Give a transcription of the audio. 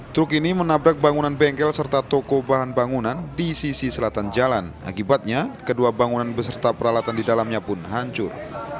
truk ini menabrak bangunan bengkel serta toko bahan bangunan di sisi selatan jalan akibatnya kedua bangunan beserta peralatan di dalamnya pun hancur